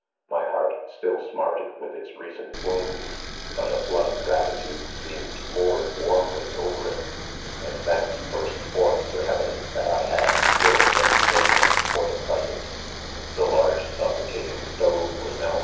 .•' My heart still smarted with its. recent wounds ; but a flood of gratitude seemed pour eel warmly over it j and thanks burst forth t# THE CONFESSIONS. 16? heaven that I Had still sensation for the pres ent, '''••'■■£ The large suffocating stove was now